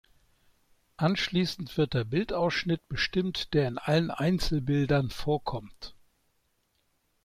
Anschließend wird der Bildausschnitt bestimmt, der in allen Einzelbildern vorkommt.